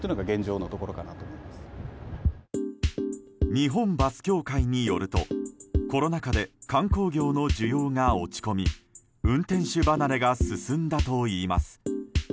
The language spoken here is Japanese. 日本バス協会によるとコロナ禍で観光業の需要が落ち込み運転手離れが進んだといいます。